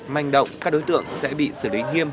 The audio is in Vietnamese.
manh động các đối tượng sẽ bị xử lý nghiêm